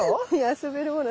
遊べるもの？